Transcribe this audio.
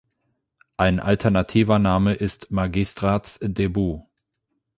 Ein alternativer Name ist magistrats debout.